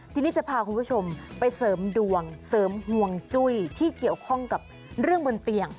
ทีนี้จะพาคุณผู้ชมไปเสริมดวงเสริมห่วงจุ้ยที่เกี่ยวข้องกับเรื่องบนเตียง